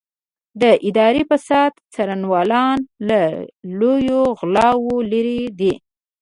د اداري فساد څارنوالان له لویو غلاوو لېرې دي.